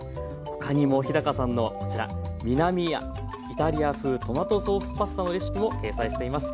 ほかにも日さんのこちら南イタリア風トマトソースパスタのレシピも掲載しています。